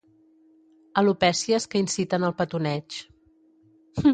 Alopècies que inciten al petoneig.